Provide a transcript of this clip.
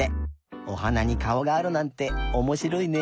おはなにかおがあるなんておもしろいね。